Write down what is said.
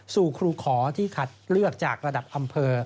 ครูขอที่คัดเลือกจากระดับอำเภอ